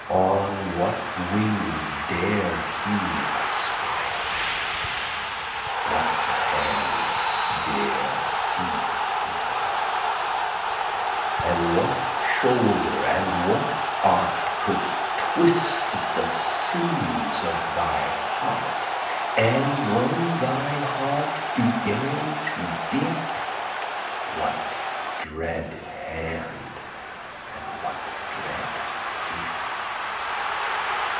On what wings dare he aspire? What the hand dare seize the fire? And what shoulder and what art Could twist the sinews of thy heart? And, when thy heart began to beat, What dread hand and what dread feet?